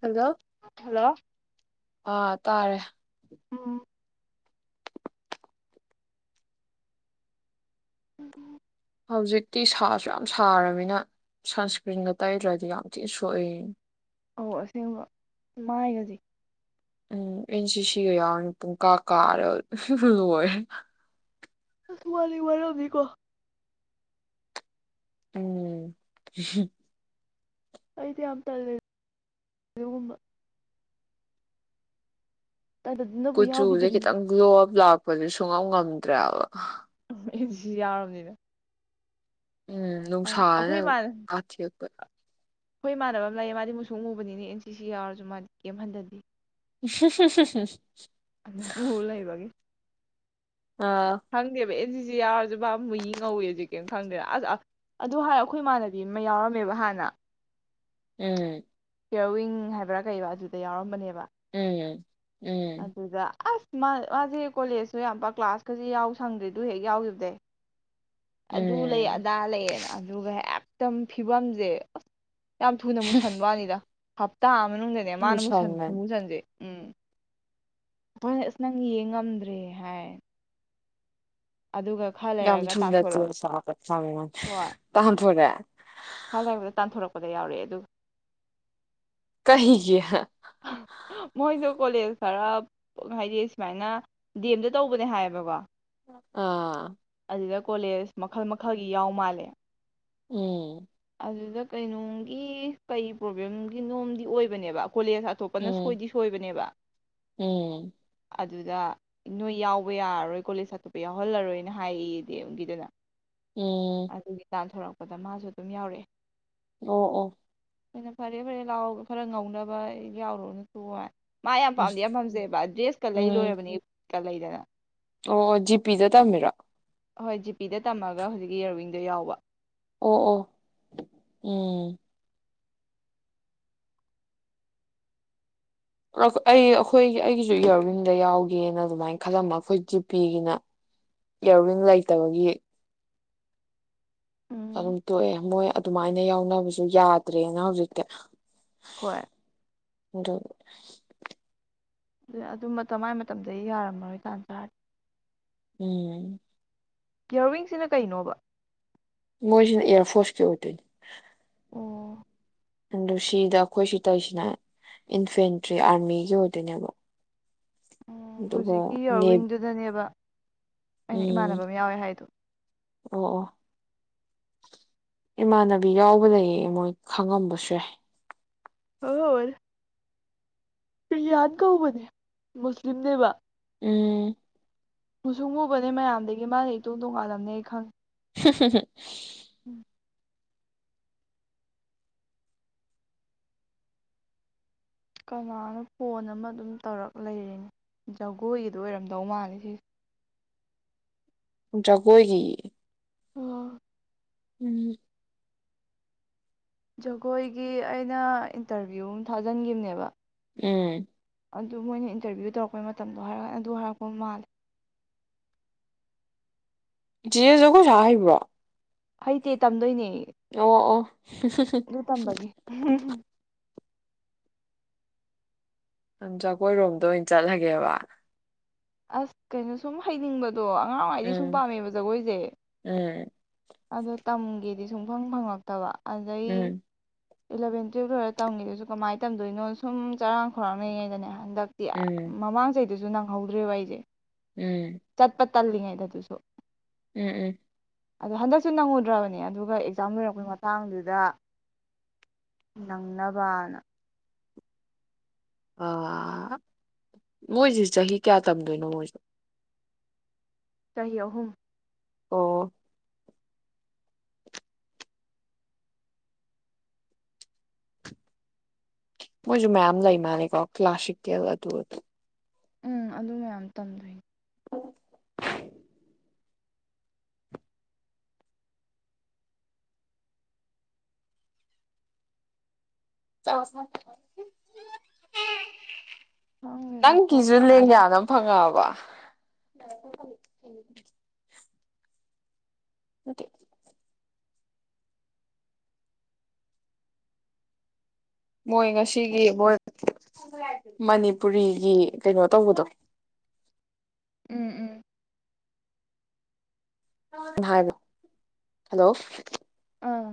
hello hello ꯑ ꯇꯥꯔꯦ ꯎ ꯎꯝ ꯍꯧꯖꯤꯛꯇꯤ ꯁꯥꯁꯨ ꯌꯥꯝ ꯁꯥꯔꯕꯅꯤꯅ ꯁꯟꯁꯀ꯭ꯔꯤꯟꯒ ꯇꯩꯗ꯭ꯔꯗꯤ ꯌꯥꯝ ꯊꯤꯅ ꯁꯣꯛꯏ ꯑꯣ ꯑꯁꯦꯡꯕ ꯃꯥꯏꯒꯁꯦ ꯎꯝ ꯑꯩꯅ ꯁꯤ ꯁꯤꯒ ꯌꯥꯎꯔꯦ ꯄꯨꯡ ꯀꯥ ꯀꯥꯔꯦ ꯂꯔꯦ ꯑꯔꯕꯤꯀꯣ ꯎꯝ ꯑꯩꯗꯤ ꯌꯥꯝ ꯇꯜꯂꯦ ꯑꯗꯨꯒꯨꯝꯕ ꯇꯟꯗꯅꯕꯨ ꯀꯨꯆꯨꯈꯤ ꯌꯥꯎꯈꯤꯗ꯭ꯔꯤꯅꯤ ꯆꯪꯣ ꯂꯥꯛꯄꯗꯤ ꯁꯨꯡꯉꯝ ꯉꯝꯗ꯭ꯔꯦꯕ ꯑꯩꯗꯤꯁꯨ ꯌꯥꯎꯔꯕꯅꯤꯅ ꯎꯝ ꯑ ꯅꯨꯡꯁꯥꯅ ꯀꯥꯊꯤꯔꯛꯄ ꯍꯣꯏ ꯏꯃꯥꯟꯅꯕ ꯑꯃ ꯂꯥꯛꯑꯦ ꯃꯥꯗꯤ ꯃꯨꯁꯨ ꯃꯨꯕꯅꯤꯅꯦ ꯑꯦꯟ ꯁꯤ ꯁꯤ ꯌꯥꯎꯔꯁꯨ ꯃꯥꯗꯤ ꯀꯦꯝ ꯍꯟꯊꯗꯤ [unintelligible] ꯍꯂ ꯏꯕꯒꯤ ꯑꯥ ꯍꯪꯦ ꯁꯤ ꯌꯥꯎꯔꯁꯨ ꯕꯥ ꯑꯃꯨꯛ ꯌꯦꯡ ꯉꯧꯋꯦꯖꯤꯛ ꯀꯔꯤꯝ ꯈꯪꯗꯦꯅ ꯑꯁ ꯑꯗꯨ ꯍꯥꯏꯔ ꯑꯩꯈꯣꯏ ꯏꯃꯥꯟꯅꯕꯤ ꯑꯃ ꯌꯥꯎꯔꯝꯃꯦꯕ ꯍꯥꯟꯅ ꯎꯝ ꯀꯤꯌꯔꯋꯤꯡ ꯍꯥꯏꯕ꯭ꯔꯥ ꯀꯩꯕ ꯑꯗꯨꯗ ꯌꯥꯎꯔꯝꯕꯅꯦꯕ ꯎꯝ ꯎꯝ ꯑꯗꯨꯗ ꯃꯥ ꯃꯥꯁꯦ ꯀꯣꯂꯦꯖꯁꯨ ꯌꯥꯝꯕ ꯀ꯭ꯂꯥꯁꯀꯁꯤ ꯌꯥꯎ ꯁꯪꯗ꯭ꯔꯤꯗꯨ ꯍꯦꯛ ꯌꯥꯎꯈꯤꯕꯗꯩ ꯑꯗꯨ ꯂꯩ ꯎꯝ ꯑꯗꯥ ꯂꯩꯌꯦꯅ ꯑꯗꯨꯒ ꯍꯦꯛ ꯝ ꯐꯤꯕꯝꯁꯦ ꯑꯁ ꯌꯥꯝ ꯊꯨꯅ ꯃꯨꯁꯟꯕꯅꯤꯗ ꯍꯥꯞꯇꯥ ꯑꯃ ꯖꯅꯦ ꯃꯥꯅ ꯃꯁ ꯃꯨꯁꯜꯃꯟ ꯃꯨꯁꯥꯟꯁꯦ ꯎꯝ ꯍꯣꯏꯅꯦ ꯑꯁ ꯅꯪ ꯌꯦꯡꯉꯝꯗ꯭ꯔꯦ ꯍꯥꯏ ꯑꯗꯨꯒ ꯈꯔ ꯊ ꯂꯩꯔꯒ ꯆ ꯇꯥꯟꯊꯣꯔꯛꯎ ꯁꯥ ꯇ ꯊꯣꯛꯣꯔꯦ ꯏꯜ ꯍꯥꯏꯕꯗ ꯇꯥꯟꯊꯣꯔꯛꯄꯗ ꯌꯥꯎꯔꯛꯑꯦ ꯑꯗꯨ ꯀꯍꯤꯒꯤ ꯃꯣꯏꯗꯣ ꯀꯣꯂꯦꯖ ꯈꯔ ꯍꯥꯏꯗꯤ ꯁꯨꯃꯥꯏꯅ ꯗꯤ ꯑꯦꯝꯗ ꯇꯧꯕꯅꯦ ꯍꯥꯏꯌꯦꯕꯀꯣ ꯑꯥ ꯑꯗꯨꯗ ꯀꯣꯂꯦꯖ ꯃꯈꯜ ꯃꯈꯜꯒꯤ ꯌꯥꯎ ꯃꯥꯜꯂꯦ ꯎꯝ ꯑꯗꯨꯗ ꯀꯩꯅꯣꯒꯤ ꯀꯩ ꯄ꯭ꯔꯣꯕ꯭ꯂꯦꯝꯒꯤ ꯅꯣꯝꯗꯤ ꯑꯣꯏꯕꯅꯦꯕ ꯀꯣꯂꯦꯖ ꯑꯇꯣꯞꯄꯅ ꯎꯝ ꯁꯣꯏꯗꯤ ꯁꯣꯏꯕꯅꯦꯕ ꯎꯝ ꯑꯗꯨꯗ ꯅꯣꯏ ꯌꯥꯎꯕ ꯌꯥꯔꯔꯣꯏ ꯀꯣꯂꯦꯖ ꯑꯇꯣꯞꯄ ꯌꯥꯎꯍꯜꯂꯔꯣꯏꯅ ꯍꯥꯏꯌꯦꯗꯤꯝꯒꯤꯗꯨꯅ ꯎꯝ ꯑꯗꯨꯒꯤ ꯇꯥꯟꯊꯣꯔꯛ ꯑꯣꯗ ꯃꯥꯁꯨ ꯑꯗꯨꯝ ꯌꯥꯎꯔꯛꯑꯦ ꯑꯣ ꯑꯣ ꯑꯩꯅ ꯐꯔꯦ ꯐꯔꯦ ꯂꯥꯎ ꯈꯔ ꯉꯧꯅꯕ ꯑꯩ ꯌꯥꯎꯔꯣꯅꯨ ꯇꯣꯛꯑꯣ ꯍꯥꯏ ꯃꯥ ꯌꯥꯝ ꯎꯝ ꯄꯥꯝꯗꯤ ꯌꯥꯝ ꯄꯥꯝꯖꯩꯑꯕ ꯗ꯭ꯔꯦꯁꯀ ꯂꯩ ꯎꯝ ꯂꯣꯏꯔꯕꯅꯤ ꯀ ꯂꯩꯗꯅ ꯑꯣ ꯖꯤꯄꯤꯗ ꯇꯝꯃꯤꯔꯣ ꯍꯣꯏ ꯖꯤꯄꯤꯗ ꯇꯝꯃꯒ ꯍꯧꯖꯤꯛꯀꯤ ꯏꯔꯋꯤꯡꯗ ꯌꯥꯎꯕ ꯑꯣ ꯑꯣ ꯎꯝ ꯑꯁ ꯑꯩ ꯑꯩꯈꯣꯏꯒꯤ ꯑꯩꯒꯤꯁꯨ ꯏꯌꯥꯔꯋꯤꯡꯗ ꯌꯥꯎꯒꯦꯅ ꯑꯗꯨꯃꯥꯏꯅ ꯈꯜꯂꯝꯕ ꯑꯩꯈꯣꯏ ꯖꯤꯄꯤꯒꯤꯅ ꯏꯌꯥꯔꯋꯤꯡ ꯂꯩꯇꯕꯒꯤ ꯑꯗꯨꯝ ꯎꯝ ꯇꯣꯛꯑꯦ ꯃꯣꯏ ꯑꯗꯨꯃꯥꯏꯅ ꯌꯥꯎ ꯈꯅꯕꯁꯨ ꯌꯥꯗ꯭ꯔꯦꯅ ꯍꯧꯖꯤꯛꯇ ꯍꯣꯏ ꯑꯗꯨ ꯑꯗꯨ ꯃꯇꯝ ꯃꯥꯏ ꯃꯇꯝꯗ ꯌꯥꯔꯝꯃꯔꯣꯏ ꯇꯥꯟ ꯇꯔꯒꯦ ꯎꯝ ꯏꯌꯥꯔꯋꯤꯡꯁꯤꯅ ꯀꯩꯅꯣꯕ ꯃꯣꯏꯁꯤꯅ ꯑꯦꯔ ꯐꯣꯔꯁ ꯀꯦ ꯑꯣꯏꯗꯣꯏꯅꯤ ꯑꯣ ꯑ ꯁꯤꯗ ꯑꯩꯈꯣꯏ ꯁꯤ ꯇꯧꯔꯤꯁꯤꯅ ꯏꯟꯐꯦꯟꯇ꯭ꯔꯤ ꯑꯥꯔꯃꯤꯒꯤ ꯑꯣꯏꯗꯣꯏꯅꯦꯕ ꯑꯣ ꯑꯗꯨꯒ ꯍꯧꯖꯤꯛꯀꯤ ꯅꯦ ꯌꯥꯔꯋꯤꯡꯗꯨꯗꯅꯦꯕ ꯑꯩꯅ ꯎꯝ ꯏꯃꯥꯟꯅꯕ ꯑꯃ ꯌꯥꯎꯋꯦ ꯍꯥꯏꯗꯣ ꯑꯣ ꯑꯣ ꯏꯃꯥꯟꯅꯕꯤ ꯌꯥꯎꯕ ꯂꯩꯌꯦ ꯃꯣꯏ ꯈꯪꯉꯝꯕꯁꯨ ꯌꯥꯏ ꯍꯥꯉꯝꯃꯅꯤ ꯀ꯭ꯔꯤꯌꯥꯟ ꯀꯧꯕꯅꯦ ꯃꯨꯁꯂꯤꯝꯅꯦꯕ ꯎꯝ ꯨꯃꯨꯁꯨꯛ ꯉꯨꯕꯅꯦ ꯃꯌꯥꯝꯗꯒꯤ ꯃꯥꯅ ꯏꯇꯣꯟ ꯇꯣꯡꯉꯥꯜꯂꯝꯅꯦ ꯑꯩ ꯈꯪꯉꯦ ꯍꯝ ꯍꯝ ꯍꯝ ꯎꯝ ꯀꯅꯥꯅꯣ ꯐꯣꯟ ꯑꯃ ꯑꯗꯨꯝ ꯇꯧꯔꯛ ꯂꯩꯔꯤꯅꯦ ꯖꯒꯣꯏꯒꯤꯗꯣ ꯑꯣꯏꯔꯝꯗꯧ ꯃꯥꯜꯂꯦ ꯁꯤꯁꯦ ꯖꯒꯣꯏꯒꯤ ꯑꯣ ꯎꯝ ꯖꯒꯣꯏꯒꯤ ꯑꯩꯅ ꯏꯟꯇꯔꯚꯤꯌꯨ ꯑꯃ ꯊꯥꯖꯤꯟꯈꯤꯕꯅꯦꯕ ꯎꯝ ꯑꯗꯨ ꯃꯣꯏꯅ ꯏꯟꯇꯔꯚꯤꯌꯨ ꯇꯧꯔꯛꯄꯩ ꯃꯇꯝꯗꯣ ꯍꯥꯏꯔꯛ ꯑꯗꯨ ꯍꯥꯏꯔꯛꯄ ꯃꯥꯜꯂꯦ ꯆꯤꯌꯦ ꯖꯒꯣꯏ ꯁꯥ ꯍꯩꯕ꯭ꯔꯣ ꯍꯩꯇꯦ ꯇꯝꯗꯣꯏꯅꯦ ꯑꯣ ꯑꯣ ꯍꯝ ꯍꯝ ꯍꯝ ꯑꯗꯨ ꯇꯝꯕꯒꯤ ꯅꯪ ꯖꯀꯣꯏꯔꯣꯝꯗ ꯑꯣꯏꯅ ꯆꯠꯂꯒꯦꯕ ꯑꯁ ꯀꯩꯅꯣ ꯁꯨꯝ ꯍꯩꯅꯤꯡꯕ ꯑꯗꯣ ꯑꯉꯥꯡꯋꯥꯉꯩꯗꯤ ꯁꯨꯝ ꯎꯝ ꯄꯥꯝꯃꯦꯕ ꯖꯒꯣꯏꯁꯦ ꯎꯝ ꯑꯗꯣ ꯇꯝꯒꯦꯗꯤ ꯁꯨꯡꯐꯪ ꯐꯪꯉꯛꯇꯕ ꯑꯗꯩ ꯎꯝ ꯏꯂꯚꯦꯟ ꯇꯨꯌꯦꯜ ꯂꯣꯏꯔ ꯇꯝꯈꯤꯗꯣꯏꯁꯨ ꯀꯃꯥꯏꯅ ꯇꯝꯗꯣꯏꯅꯣ ꯁꯨꯝ ꯆꯔꯥꯡ ꯈꯔꯥꯡꯅꯔꯤꯉꯩꯗꯅꯦ ꯍꯟꯗꯛꯇꯤ ꯎꯝ ꯃꯃꯥꯡ ꯆꯍꯤꯩ ꯑꯗꯨꯁꯨ ꯅꯪ ꯍꯧꯗ꯭ꯔꯦ ꯋꯥꯏꯁꯦ ꯎꯝ ꯇꯜꯜꯂꯤ ꯏꯗ ꯑꯗꯨꯁꯨꯣ ꯎꯝ ꯎꯝ ꯑꯗꯣ ꯍꯟꯗꯛꯁꯨ ꯅꯪꯉꯨꯗ꯭ꯔꯕꯅꯦ ꯑꯗꯨꯒ ꯑꯦꯛꯖꯥꯝ ꯂꯣꯏꯔꯛꯄꯩ ꯃꯇꯥꯡꯗꯨꯗ ꯅꯪꯅꯕꯅ ꯑ ꯃꯣꯏꯁꯤ ꯆꯍꯤ ꯀꯌꯥ ꯇꯝꯗꯣꯏꯅꯣ ꯃꯣꯏꯁꯨ ꯀ ꯑꯍꯨꯝ ꯑꯣ ꯃꯣꯏꯁꯨ ꯃꯌꯥꯝꯌꯥꯝ ꯂꯩ ꯃꯥꯅꯦ ꯀꯣ ꯀ꯭ꯂꯁꯤꯛ ꯀꯦꯜ ꯑꯗꯨ ꯑꯗꯨ ꯎꯝ ꯑꯗꯨ ꯃꯌꯥꯝ ꯇꯝꯗꯣꯏꯅꯦ ꯆꯁ ꯈꯪꯗꯦꯗ ꯐꯣꯟꯁꯦ ꯅꯪꯒꯤꯁꯨ ꯉꯁꯥꯏꯗꯩ ꯂꯦꯡꯌꯥꯅ ꯐꯪꯉꯛꯑꯕ [unintelligible] ꯑꯣꯀꯦ ꯃꯣꯏ ꯉꯁꯤꯒꯤ ꯃꯣꯏ ꯃꯅꯤꯄꯨꯔꯤꯒꯤ ꯀꯩꯅꯣ ꯇꯧꯕꯗꯣ ꯎꯝ ꯎꯝ ꯍꯜꯂꯣ ꯑꯥ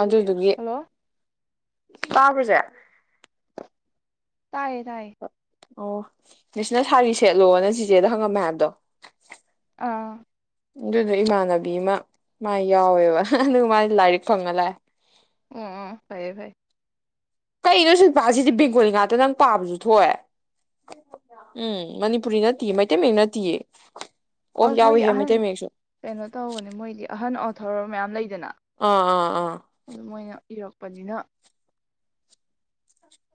ꯑꯗꯨꯗꯨꯒꯤ ꯍꯜꯂꯣ ꯕꯥꯕꯖꯦ ꯇꯌꯦ ꯇꯌꯦ ꯑꯣ ꯃꯤꯁꯅ ꯁꯥꯔꯤ ꯁꯦꯠꯂꯣ ꯅ ꯆꯤꯆꯦꯗ ꯍꯪꯉꯝꯃꯦ ꯍꯥꯏꯕꯗꯣ ꯑꯥ ꯑꯗꯨꯗꯣ ꯏꯃꯥꯟꯅꯕꯤ ꯑꯃ ꯃꯥ ꯌꯥꯎꯋꯦꯕ ꯑꯗꯨꯒ ꯃꯥ ꯂꯥꯏꯔꯤꯛ ꯐꯪꯉ ꯂꯥꯛꯑꯦ ꯑꯣ ꯐꯌꯦ ꯐꯥꯏ ꯀꯩꯅꯣ ꯁꯤ ꯄꯁꯤꯗꯤ ꯕꯦꯡꯒꯣꯂꯤ ꯉꯥꯛꯇ ꯅꯪ ꯄꯥꯕꯁꯨ ꯊꯣꯛꯑꯦ ꯎꯝ ꯃꯅꯤꯄꯨꯔꯤ ꯅꯠꯇꯦ ꯃꯩꯇꯩ ꯃꯌꯦꯛ ꯅꯠꯇꯤ ꯑꯁ ꯃꯣꯏꯗꯤ ꯑꯍꯟ ꯀꯩꯅꯣ ꯇꯧꯕꯅꯦ ꯃꯣꯏꯗꯤ ꯑꯍꯟ ꯑꯁ ꯊꯧꯔꯝ ꯃꯌꯥꯝ ꯂꯩ ꯗꯅ ꯑꯥ ꯑꯥ ꯑꯥ ꯑꯗꯨ ꯃꯣꯏꯅ ꯏꯔꯛꯄꯅꯤꯅ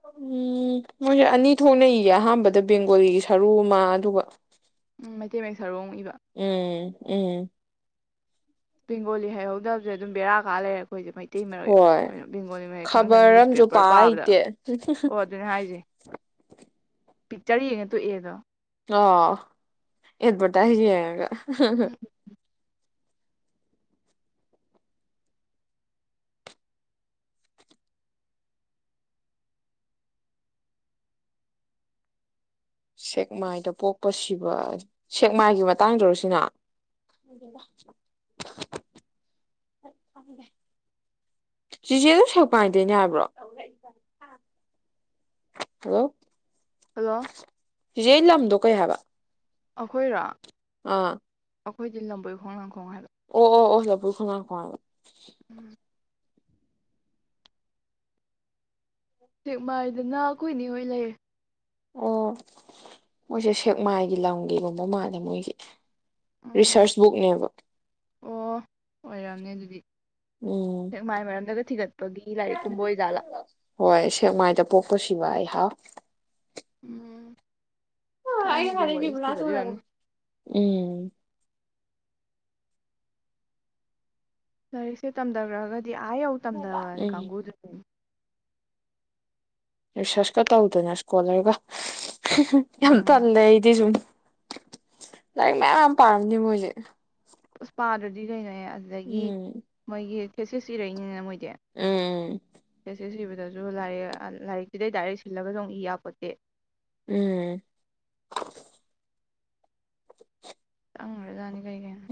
ꯎꯝ ꯃꯣꯏꯁꯦ ꯑꯅꯤ ꯊꯣꯛꯅ ꯏꯌꯦꯦ ꯑꯍꯥꯟꯕꯗ ꯕꯦꯡꯒꯣꯂꯤꯒꯤ ꯁꯔꯨ ꯑꯃ ꯑꯗꯨꯒ ꯇꯦꯃꯦ ꯁꯔꯨꯡ ꯎꯝ ꯎꯝ ꯕꯦꯡꯒꯣꯂꯤ ꯍꯩꯍꯧꯗꯕꯁꯦ ꯑꯗꯨꯝ ꯕꯦꯔꯥ ꯀ ꯂꯩꯔꯦꯄꯣ ꯑꯩꯈꯣꯏꯁꯦ ꯃꯩꯇꯩ ꯍꯣꯏ ꯃꯔꯌꯦꯛꯣꯏ ꯕꯦꯡꯒꯣꯂꯤ ꯃꯔꯩ ꯈꯪꯗꯪ ꯈꯕꯔ ꯑꯝꯁꯨ ꯄꯥ ꯅ꯭ꯌꯨꯁꯄꯦꯄꯔ ꯄꯥꯕꯗ ꯍꯩꯇꯦ ꯑꯣ ꯑꯗꯨꯅꯦ ꯍꯥꯏꯁꯦ ꯄꯤꯛꯆꯔ ꯌꯦꯡꯉ ꯇꯣꯛꯑꯦꯗꯣ ꯑ ꯌꯦꯠꯄꯇ ꯍꯥꯏ ꯌꯥꯉꯒ ꯍ ꯍ ꯁꯦꯛꯃꯥꯏꯗ ꯄꯣꯛꯄ ꯁꯤꯕ ꯁꯦꯛꯃꯥꯏꯒꯤ ꯃꯇꯥꯡꯗꯧꯔꯁꯤꯅ ꯆꯆꯦ ꯑꯗꯨ ꯁꯦꯛꯃꯥꯏ ꯗꯩꯅꯦ ꯍꯥꯏꯕ꯭ꯔꯣ ꯍꯜꯂꯣ ꯍꯜꯂꯣ ꯆꯦꯆꯦ ꯂꯝ ꯗꫭ ꯀꯩꯍꯕ ꯑꯩꯈꯣꯏꯔꯥ ꯑꯥ ꯑꯩꯈꯣꯏꯗꯤ ꯂꯝꯕꯣꯏ ꯈꯣꯡꯅꯥꯡꯈꯣꯡ ꯍꯥꯏ ꯑꯣ ꯑꯣ ꯑꯣ ꯍ ꯂꯄ ꯈꯅ ꯀ ꯁꯦꯛꯃꯥꯏꯗꯅ ꯀꯈꯣꯏꯏꯅꯤ ꯍꯣꯏ ꯂꯩ ꯑꯣ ꯃꯣꯏꯁꯦ ꯁꯦꯛꯃꯥꯏꯒꯤ ꯂꯝꯒꯤꯒꯨꯝꯕ ꯃꯥꯜꯂꯦ ꯃꯣꯏꯒꯤ ꯎꯝ ꯔꯤꯁꯔꯁ ꯕꯨꯛꯅꯦꯕ ꯑꯣ ꯑꯣꯏꯔꯝꯅꯦ ꯑꯗꯨꯗꯤ ꯎꯝ ꯁꯦꯛꯃꯥꯏ ꯃꯔꯝꯗꯒ ꯊꯤꯒꯠꯄꯒꯤ ꯂꯥꯏꯔꯤꯛꯀꯨꯝꯕ ꯑꯣꯏꯖꯥꯠꯂꯥ ꯍꯣꯏ ꯁꯦꯛꯃꯥꯏꯗ ꯄꯣꯛꯄꯁꯤꯕ ꯑꯩꯍꯥꯎ ꯎꯝ ꯑ ꯑꯩ ꯊꯥꯏꯅꯒꯤ ꯋꯥꯔꯤ ꯐꯔꯦꯕꯂ ꯊꯤꯒꯠꯂꯤ ꯁꯔ ꯑꯣꯏꯔꯝꯅꯤ ꯎꯝ ꯂꯥꯏꯔꯤꯛꯁꯦ ꯇꯝꯊꯈ꯭ꯔꯛꯑꯒꯗꯤ ꯑꯗꯨꯗꯤ ꯑ ꯑꯧ ꯇꯝ ꯇꯔ ꯎꯝ ꯀꯪꯉꯨꯗ ꯔꯤꯁꯔꯁꯀ ꯇꯧꯗꯅ ꯏꯁꯀꯣꯂꯔꯒ ꯌꯥꯝ ꯇꯂꯦ ꯏꯗꯤꯁꯨ ꯂꯥꯏꯔꯤꯛ ꯃꯌꯥꯝ ꯌꯥꯝ ꯄꯥꯔꯝꯅꯦ ꯃꯣꯏꯁꯦ ꯎꯄꯥꯥꯗ꯭ꯔꯗꯤ ꯀꯩꯅꯦ ꯑꯗꯨꯗꯒꯤ ꯎꯝ ꯃꯣꯏꯒꯤ ꯁꯦꯁꯦꯁ ꯏꯔꯏꯅꯤ ꯃꯣꯏ ꯎꯝ ꯎꯝ ꯁꯤꯕꯗꯁꯨ ꯂꯥꯏꯔꯤꯛ ꯂꯥꯏꯔꯤꯛꯁꯤꯗꯩ ꯗꯥꯏꯔꯦꯛ ꯁꯤꯜꯂꯒꯁꯨ ꯑꯃꯨꯛ ꯏ ꯌꯥꯄꯣꯠꯇꯦ ꯎꯝ ꯇꯪꯔ ꯌꯥꯅꯤ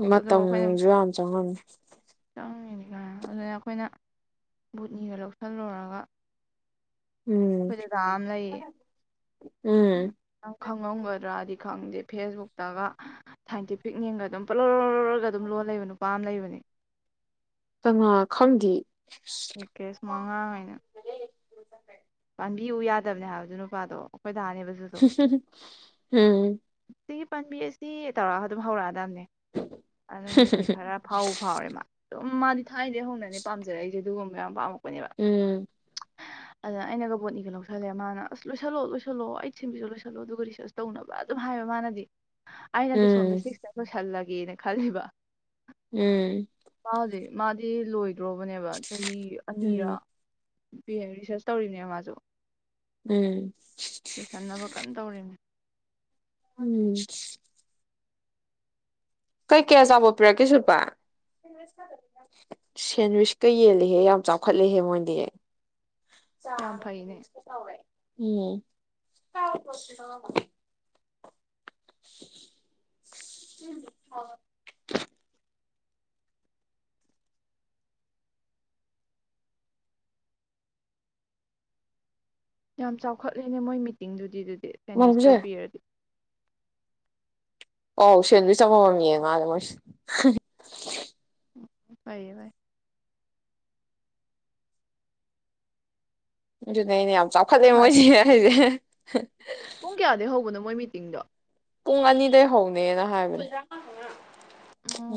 ꯃꯇꯝꯁꯨ ꯌꯥꯝ ꯆꯪꯉꯅꯤ ꯆꯪꯉꯤꯅꯤ ꯀꯥꯏꯅ ꯑꯗꯨꯅ ꯑꯩꯈꯣꯏꯅ ꯕꯨꯠꯅꯤꯒ ꯂꯧꯁꯤꯜꯂꯨꯔꯒ ꯎꯝ ꯑꯩꯈꯣꯏꯁꯨꯗꯥ ꯑꯃ ꯂꯩꯌꯦ [unintelligible] ꯎꯝ ꯅꯪ ꯈꯪꯉꯝꯒꯗ꯭ꯔꯥꯗꯤ ꯈꯪꯗꯦ ꯐꯦꯁꯕꯨꯛꯇꯒ ꯁꯥꯏꯟꯇꯤꯐꯤꯛ ꯌꯦꯡꯒ ꯑꯗꯨꯝ ꯄꯣꯠꯂꯔꯨꯔꯒ ꯑꯗꯨꯝ ꯂꯣꯜ ꯂꯩꯕ ꯅꯨꯄꯥ ꯑꯃ ꯂꯩꯕꯅꯤ ꯀꯪꯂꯥ ꯈꯪꯗꯤꯌꯦ ꯑꯦ ꯀꯦꯁ ꯃꯉꯥꯡ ꯍꯥꯏꯅ ꯕꯤꯎ ꯌꯥꯗꯕꯅꯦ ꯍꯥꯏꯕ ꯗꯨ ꯅꯨꯄꯥꯗꯣ ꯑꯩꯈꯣꯏ ꯗꯥꯅꯦꯕꯗꯨꯁꯨ ꯎꯝ ꯁꯤꯒꯤ ꯄꯥꯟꯕꯤ ꯑꯁꯤ ꯇꯧꯔꯥꯛ ꯑꯗꯨꯝ ꯍꯧꯔꯛꯑꯗꯕꯅꯦ ꯑꯗꯣ ꯍꯧꯖꯤꯛꯇꯤ ꯈꯔ ꯐꯥꯎꯕꯨ ꯐꯥꯎꯔꯦ ꯃꯥ ꯎꯝ ꯃꯥꯗꯤ ꯊꯥꯏꯅꯗꯤ ꯍꯧꯅꯅꯦ ꯄꯥꯝꯔꯛꯏꯁꯦ ꯑꯗꯨꯒꯨꯝꯕ ꯌꯥꯝ ꯄꯥꯝꯃꯛ ꯎꯝ ꯑꯗ ꯑꯩꯅꯒ ꯕꯣꯠꯅꯤꯒ ꯂꯧꯁꯤꯁꯜꯂꯦ ꯃꯥꯅ ꯑꯁ ꯂꯣꯏꯁꯤꯜꯂꯣ ꯂꯣꯏꯁꯤꯜꯂꯣ ꯑꯩꯠ ꯁꯤꯝꯕꯤꯁꯨ ꯂꯣꯏꯁꯤꯜꯂꯣ ꯑꯗꯨꯒ ꯔꯤꯁꯔꯁ ꯇꯧꯅꯕ ꯑꯗꯨꯝ ꯍꯥꯏꯕ ꯃꯥꯅꯗꯤ ꯑꯩꯅꯗꯤ ꯁꯣꯝꯗ ꯎꯝ ꯁꯤꯁ ꯇ ꯂꫭꯏꯁꯜꯂ ꯒꯦꯅ ꯈꯜꯂꯤꯕ ꯎꯝ ꯃꯥꯗꯤ ꯃꯥꯗꯤ ꯂꯣꯏ ꯗ꯭ꯔꯣꯕꯅꯦꯕ ꯆꯍꯤ ꯎꯝ ꯑꯅꯤꯔꯥ ꯎꯝ ꯔꯤ ꯔꯤꯁꯔꯁ ꯇꯧꯔꯤꯅꯦ ꯃꯥꯁꯨ ꯎꯝ ꯂꯣꯏꯁꯟꯅꯕ ꯀꯟꯅ ꯇꯧꯔꯤꯕꯅꯦ ꯎꯝ ꯀꯩ ꯀꯩ ꯑꯆꯥꯕꫭꯠ ꯄꯤꯔꯛꯀꯦ ꯁꯤꯜꯄꯥ ꯁꯦꯟꯋꯤꯁꯀ ꯁꯦꯟꯋꯤꯁꯀ ꯌꯦꯜꯜꯂꯤꯍꯦ ꯌꯥꯝ ꯆꯥꯎꯈꯠꯂꯤꯍꯦ ꯃꯣꯏꯗꯤ ꯌꯥꯝ ꯆꯥꯒ ꯐꯩꯅꯦ ꯁꯦꯟꯋꯤꯁꯀ ꯇꯧꯔꯦ ꯎꯝ [unintelligible] ꯎꯝ ꯍꯥꯎꯋꯦ ꯌꯥꯝ ꯆꯥꯎꯈꯠꯂꯦꯅꯦ ꯃꯣꯏ ꯃꯤꯇꯤꯡꯗꯨꯗꯤ ꯗꯨ ꯁꯦꯟꯋꯤꯁꯀ ꯃꯝꯁꯦ ꯄꯤꯔꯗꯤ ꯑꯣ ꯁꯦꯟꯋꯤꯁ ꯑꯃ ꯃꯝ ꯌꯦꯟ ꯃꯥꯂꯦ ꯃꯣꯏꯁꯦ ꯎꯝ ꯐꯩꯌꯦ ꯐꯩ ꯑꯗꯨꯅꯦ ꯑꯩꯅ ꯌꯥꯝ ꯆꯥꯎꯈꯠꯂꯦ ꯍꯣꯏ ꯃꯣꯏꯁꯦ ꯍꯥꯏꯁꯦ ꯍ ꯄꯨꯡ ꯀꯌꯥꯗꯩ ꯍꯧꯕꯅꯣ ꯃꯣꯏ ꯃꯤꯇꯤꯡꯗꯣ ꯄꯨꯡ ꯑꯅꯤꯗꯩ ꯍꯧꯅꯦꯅ ꯍꯥꯏꯕꯅꯦ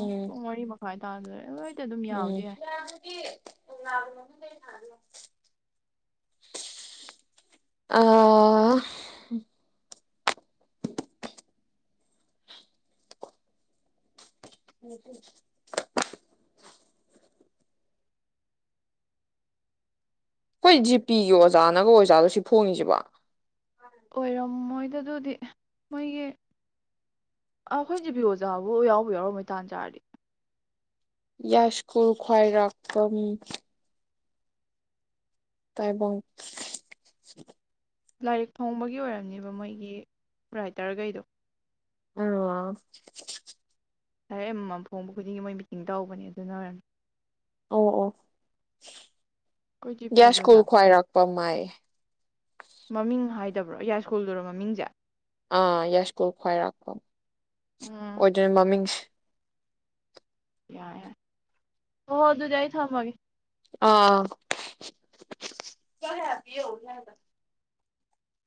ꯎꯝ ꯇꯥꯗꫭꯔꯦ ꯑꫭꯏꯠ ꯎꯝ ꯑꯥ [inaudible] ꯑꯩꯈꯣꯏ ꯖꯤꯄꯤꯒꯤ ꯑꯣꯖꯥꯅꯒ ꯑꯣꯖꯥꯠꯂꫭ ꯁꯤ ꯐꯣꯡꯉꯤꯁꯤꯕꫭ ꯑꯣꯏꯔꯝꯃꯣꯏꯗ ꯑꯗꯨꯗꯤ ꯃꯣꯏꯒꯤ ꯑꯩꯈꯣꯏ ꯖꯤ ꯕꯤꯌꯣꯖꯥꯕꯨ ꯌꯥꯎꯕ ꯌꯥꯎꯔꯝꯃꯣꯏ ꯇꯥꯟꯖꯥꯔꯗꯤ ꯌꯥꯁꯀꯜ ꯈ꯭ꯋꯥꯏꯔꯥꯛꯗ ꯇꯥꯏꯕꯪ ꯂꯥꯏꯔꯤꯛ ꯐꯣꯡꯕꯒꯤ ꯑꯣꯏꯔꯝꯅꯦꯕ ꯃꯣꯏꯒꯤ ꯔꯥꯏꯇꯔꯈꯩꯗꯣ ꯑ ꯇꯔꯦ ꯑꯃꯃꯝ ꯐꯣꯡꯕ ꯈꯨꯗꯤꯡꯒꯤ ꯃꯣꯏ ꯃꯤꯇꯤꯡ ꯇꯧꯕꯅꯦ ꯑꯗꯨꯅ ꯑꯣꯏꯔꯝꯅꯤ ꯑ ꯑ ꯑꯩꯈꯣꯏ ꯖꯤꯄꯤꯒꯤ ꯭ꯁ ꯀꯨꯜ ꯑꯣꯖꯥꯗꯤ ꯈ꯭ꯋꯥꯥꯏ ꯀꯩ ꯔꯥꯛꯄ ꯃꯥꯥꯏ ꯃꯃꯤꯡ ꯍꯥꯏꯗꯕ꯭ꯔꯣ ꯌꯥꯏ ꯁ꯭ꯀꯨꯜꯗꯨꯔꯣ ꯃꯃꯤꯡꯁꯦ ꯑꯥ ꯌꯥꯁꯀꯨꯔ ꯈ꯭ꯋꯥꯏꯔꯥꯛꯨꯝ ꯎꯝ ꯑꯣꯏꯗꯣꯏꯅꯤ ꯃꯃꯤꯡꯁꯦ ꯌꯥ ꯌꯥ ꯍ ꯑꯣ ꯑꯗꯨꯣꯖꯏ ꯊꯥꯃꯒ ꯑꯥ